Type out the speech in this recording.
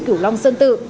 cửu long sơn tử